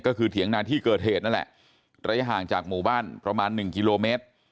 ก็คือเถียงนาที่เกิดเหตุนั่นแหละระยะห่างจากหมู่บ้านประมาณหนึ่งกิโลเมตร